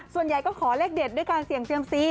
ส่วนใหญ่ก็ขอเลขเด็ดด้วยการเสี่ยงเซียมซี